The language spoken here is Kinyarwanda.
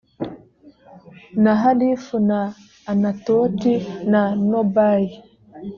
na harifu na anatoti na nobayi